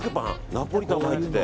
ナポリタンも入ってる。